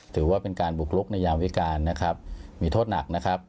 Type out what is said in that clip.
ถือว่าเป็นการบุกลุกในยามวิการนะครับมีโทษหนักนะครับ